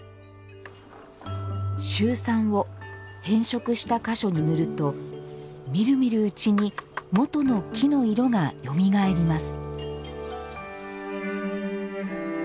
シュウ酸を変色した箇所に塗るとみるみるうちに元の木の色がよみがえります。